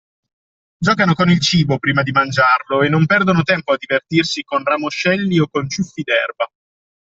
Giocano con il cibo prima di mangiarlo e non perdono tempo a divertirsi con ramoscelli o con ciuffi d’erba